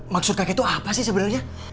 maksud kakek tuh apa sih sebenernya